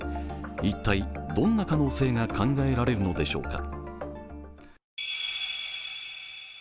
一体、どんな可能性が考えられるのでしょうか。